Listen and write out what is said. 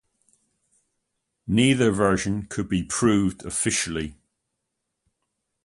Neither version could be proved officially.